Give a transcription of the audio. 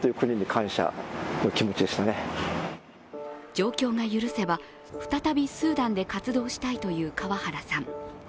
状況が許せば再びスーダンで活動したいという川原さん。